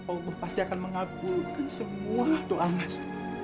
allah pasti akan mengabulkan semua doa mas